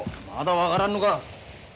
まだ分からんのか！